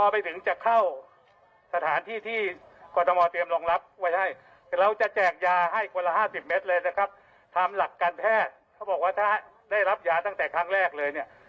๕๐เมตรเลยนะครับทำหลักการแพทย์เขาบอกว่าถ้าได้รับยาตั้งแต่ครั้งแรกเลยเนี่ย